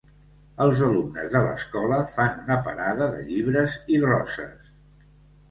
Els alumnes de l'escola fan una parada de llibres i roses.